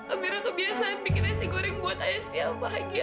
amira kebiasaan bikin nasi goreng buat ayah setia bahagia